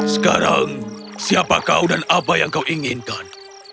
sekarang siapa kau dan apa yang kau inginkan